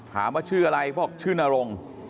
ถามว่าชื่ออะไรเขาบอกว่าชื่อนรงค์